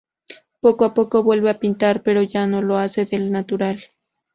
Poco a poco vuelve a pintar, pero ya no lo hace del natural.